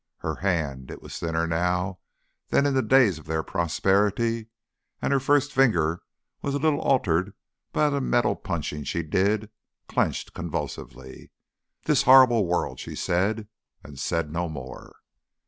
Her hand it was thinner now than in the days of their prosperity, and her first finger was a little altered by the metal punching she did clenched convulsively. "This horrible world!" she said, and said no more.